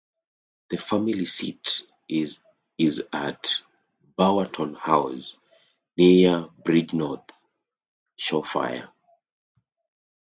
The family seat is at Burwarton House, near Bridgnorth, Shropshire.